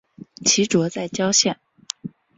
其冢在谯县。